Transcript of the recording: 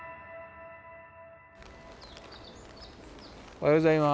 おはようございます。